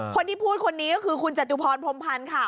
คนที่พูดคนนี้ก็คือคุณจตุพรพรมพันธ์ค่ะ